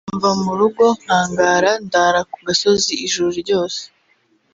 mva mu rugo nkangara ndara ku gasozi ijoro ryose